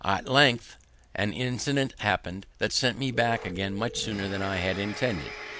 At length, an incident happened that sent me back again much sooner than I had intended.